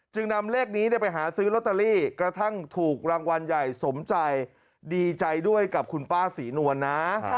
นำเลขนี้ไปหาซื้อลอตเตอรี่กระทั่งถูกรางวัลใหญ่สมใจดีใจด้วยกับคุณป้าศรีนวลนะ